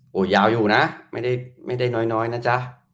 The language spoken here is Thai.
โอ้โหยาวอยู่นะไม่ได้น้อยนะจ๊ะ